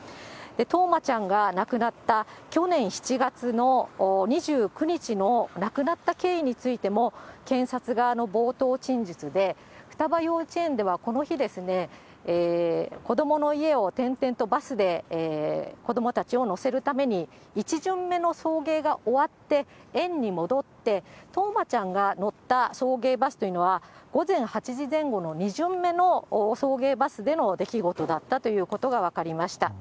冬生ちゃんが亡くなった去年７月の２９日の亡くなった経緯についても、検察側の冒頭陳述で、ふたば幼稚園ではこの日、子どもの家を転々とバスで子どもたちを乗せるために、１巡目の送迎が終わって、園に戻って、冬生ちゃんが乗った送迎バスというのは、午前８時前後の２巡目の送迎バスでの出来事だったということが分かりました。